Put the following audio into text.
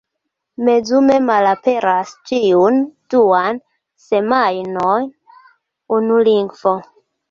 Mezume malaperas ĉiun duan semajnon unu lingvo.